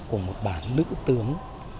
của một bà nữ tướng